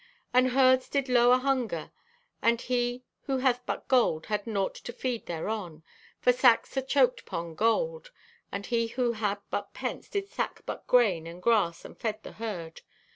"And herds did low o' hunger and he who hath but gold hath naught to feed thereon. For sacks achoked 'pon gold. And he who had but pence did sack but grain and grass and fed the herd.